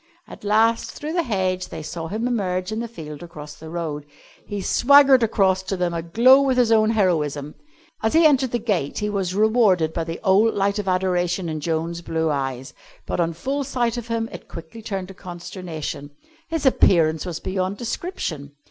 At last, through the hedge, they saw him emerge in the field across the road. He swaggered across to them aglow with his own heroism. As he entered the gate he was rewarded by the old light of adoration in Joan's blue eyes, but on full sight of him it quickly turned to consternation. His appearance was beyond description.